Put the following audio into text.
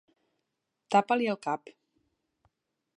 Tapa-li el cap.